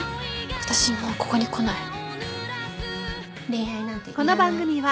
私もうここに来ない。